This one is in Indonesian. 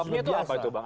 sebabnya itu apa itu bang